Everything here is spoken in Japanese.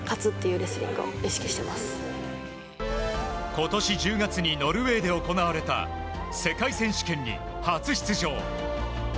今年１０月にノルウェーで行われた世界選手権に初出場。